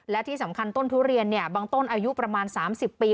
และที่สำคัญต้นทุเรียนบางต้นอายุประมาณ๓๐ปี